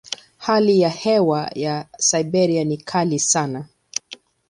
Hali ya hewa ya Siberia ni kali sana.